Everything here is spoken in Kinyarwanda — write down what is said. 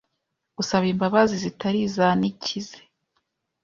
Gusaba imbabazi zitari iza nikize